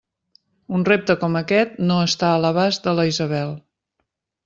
Un repte com aquest no està a l'abast de la Isabel!